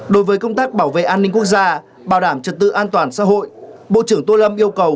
đối với công tác bảo vệ an ninh quốc gia bảo đảm trật tự an toàn xã hội bộ trưởng tô lâm yêu cầu